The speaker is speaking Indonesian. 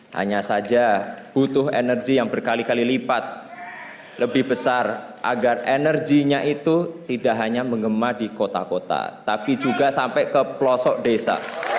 hanya saja butuh energi yang berkali kali lipat lebih besar agar energinya itu tidak hanya mengema di kota kota tapi juga sampai ke pelosok desa